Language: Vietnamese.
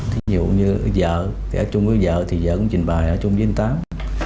ví dụ như vợ thì ở chung với vợ thì vợ cũng trình bài ở chung với anh tám